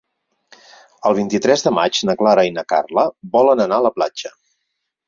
El vint-i-tres de maig na Clara i na Carla volen anar a la platja.